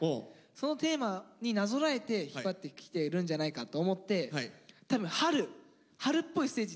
そのテーマになぞらえて引っ張ってきてるんじゃないかと思って多分「春」。